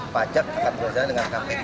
pajak akan berjalan dengan kpk